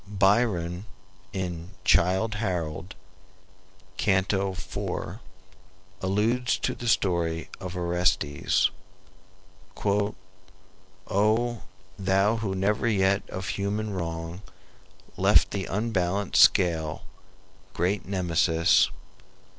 Byron, in "Childe Harold," Canto IV., alludes to the story of Orestes: "O thou who never yet of human wrong Left the unbalanced scale, great Nemesis!